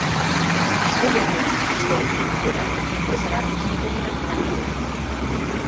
Aste berria hastearekin batera enpresara itzuliko dira langileak.